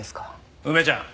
梅ちゃん？